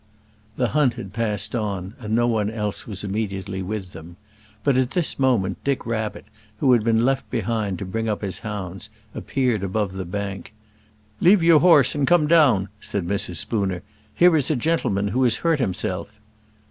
The hunt had passed on and no one else was immediately with them. But at this moment Dick Rabbit, who had been left behind to bring up his hounds, appeared above the bank. "Leave your horse and come down," said Mrs. Spooner. "Here is a gentleman who has hurt himself."